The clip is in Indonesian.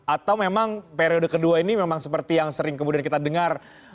atau memang periode kedua ini memang seperti yang sering kemudian kita dengar